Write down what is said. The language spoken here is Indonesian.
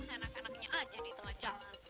senang enangnya aja di tengah jalan